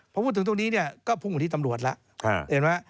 พอพูดถึงตรงนี้เนี่ยก็พูดเหมือนที่ตำรวจล่ะเห็นมั้ย